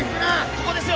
「ここですよ。